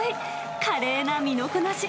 華麗な身のこなし。